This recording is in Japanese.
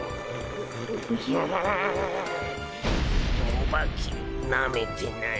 オバケなめてない？